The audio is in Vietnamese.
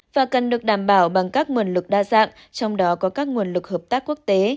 và cần được đảm bảo bằng các nguồn lực đa dạng trong đó có các nguồn lực hợp tác quốc tế